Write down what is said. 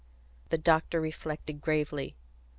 The doctor reflected gravely.